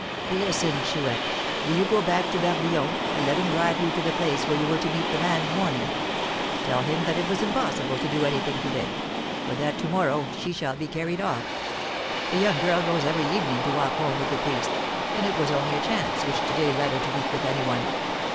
"Listen, Chouette! Do you go back to Barbillon, and let him drive you to the place where you were to meet the man in mourning. Tell him that it was impossible to do anything to day, but that to morrow she shall be carried off. The young girl goes every evening to walk home with the priest, and it was only a chance which to day led her to meet with any one.